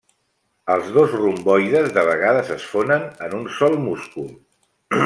Els dos romboides de vegades es fonen en un sol múscul.